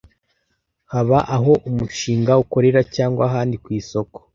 haba aho umushinga ukorera cyangwa ahandi ku isoko